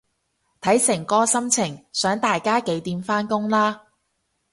睇誠哥心情想大家幾點返工啦